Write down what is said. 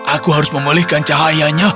aku harus memulihkan cahayanya